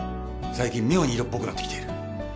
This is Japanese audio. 最近妙に色っぽくなってきている。